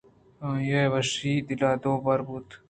آئی ءِ وشی ءَ دل دو بہر بوت